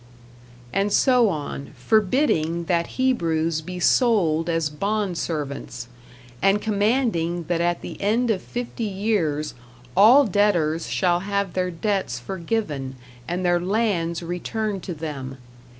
And so on, forbidding that Hebrews be sold as bond servants, and commanding that at the end of fifty years all debtors shall have their debts forgiven and their lands returned to them.